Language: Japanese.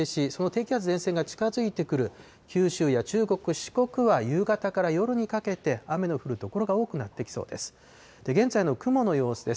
また、夜になると東シナ海に低気圧や前線が発生し、その低気圧、前線が近づいてくる九州や中国、四国は夕方から夜にかけて、雨の降る所が多くなってきそうです。